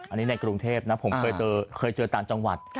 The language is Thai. อันนี้ในกรุงเทพนะผมเคยเจอต่างจังหวัด